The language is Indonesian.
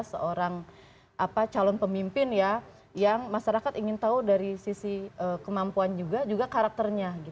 seorang calon pemimpin yang masyarakat ingin tahu dari sisi kemampuan juga juga karakternya